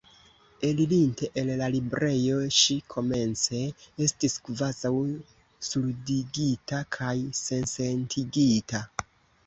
Elirinte el la librejo, ŝi komence estis kvazaŭ surdigita kaj sensentigita.